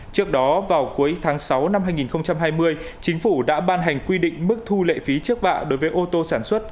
trước đó vào cuối tháng sáu năm hai nghìn hai mươi chính phủ đã ban hành quy định mức thu lệ phí trước bạ đối với ô tô sản xuất